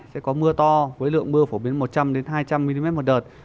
sẽ có mưa to với lượng mưa phổ biến một trăm linh hai trăm linh mm một đợt